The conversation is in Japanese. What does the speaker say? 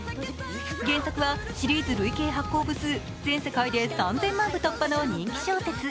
原作はシリーズ累計発行部数全世界で３０００万部突破の人気小説